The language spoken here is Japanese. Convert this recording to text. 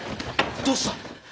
どうした！？